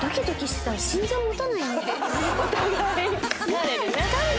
疲れるね。